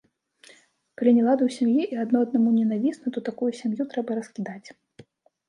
Калі нелады ў сям'і і адно аднаму ненавісны, то такую сям'ю трэба раскідаць.